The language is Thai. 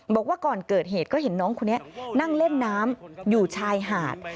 บอกว่าก่อนเกิดเหตุก็เห็นน้องคนนี้นั่งเล่นน้ำอยู่ชายหาด